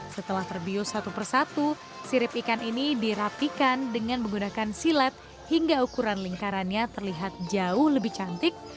setelah terbius satu persatu sirip ikan ini dirapikan dengan menggunakan silat hingga ukuran lingkarannya terlihat jauh lebih cantik